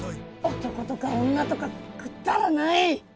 男とか女とかくだらない！